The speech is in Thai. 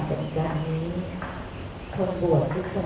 สวัสดีครับสวัสดีครับ